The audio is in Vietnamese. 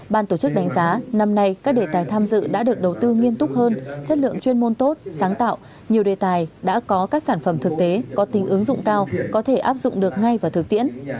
ban tổ chức đánh giá năm nay các đề tài tham dự đã được đầu tư nghiêm túc hơn chất lượng chuyên môn tốt sáng tạo nhiều đề tài đã có các sản phẩm thực tế có tính ứng dụng cao có thể áp dụng được ngay vào thực tiễn